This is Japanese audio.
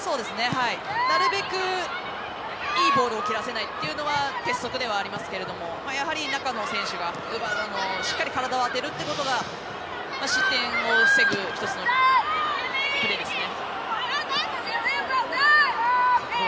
なるべくいいボールを蹴らせないというのは鉄則ではありますけどやはり、中の選手が奪うのをしっかり体を当てるということが失点を防ぐ１つのプレーですね。